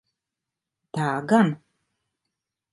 Tā gan.